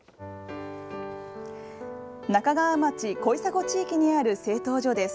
那珂川町小砂地域にある製陶所です。